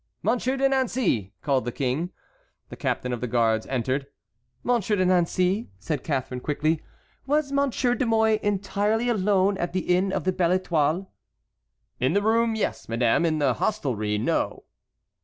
"Monsieur de Nancey!" called the King. The captain of the guards entered. "Monsieur de Nancey," said Catharine, quickly, "was Monsieur de Mouy entirely alone at the inn of the Belle Étoile?" "In the room, yes, madame; in the hostelry, no."